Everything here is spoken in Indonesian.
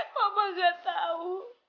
mama gak tau